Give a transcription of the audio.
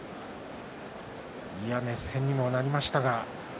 熱戦にもなりましたが。